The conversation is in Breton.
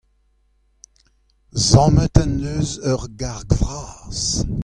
Sammet en deus ur garg vras.